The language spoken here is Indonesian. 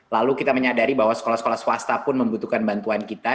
lalu kita menyadari bahwa sekolah sekolah swasta pun membutuhkan bantuan kita